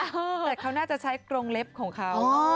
แต่เขาน่าจะใช้กรงเล็บของเขา